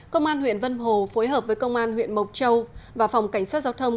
công an huyện vân hồ phối hợp với công an huyện mộc châu và phòng cảnh sát giao thông